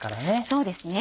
そうですね。